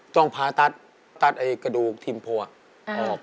ต้องพาทัศน์ทัศน์กระดูกทิมโพอออก